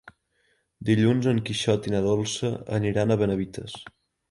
Dilluns en Quixot i na Dolça aniran a Benavites.